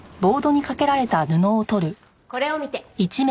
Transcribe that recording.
これを見て。